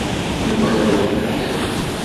Yuba yeḍlem medden.